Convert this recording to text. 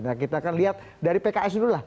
nah kita akan lihat dari pks dulu lah